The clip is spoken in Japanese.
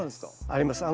あります。